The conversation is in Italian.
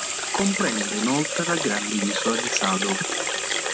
Comprende inoltre la grande isola di Sado.